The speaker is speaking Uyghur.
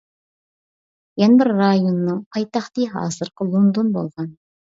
يەنە بىر رايوننىڭ پايتەختى ھازىرقى لوندون بولغان.